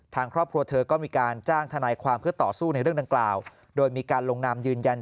ทางครอบครัวเธอก็มีการจ้างทนายความเพื่อต่อสู้ในเรื่องดังกล่าวโดยมีการลงนามยืนยัน